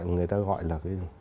người ta gọi là